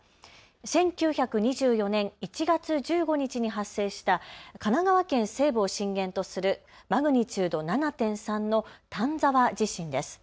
１９２４年１月１５日に発生した神奈川県西部を震源とするマグニチュード７．３の丹沢地震です。